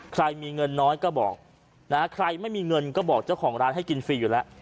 ใครมีเงินน้อยก็บอกนะฮะใครไม่มีเงินก็บอกเจ้าของร้านให้กินฟรีอยู่แล้ว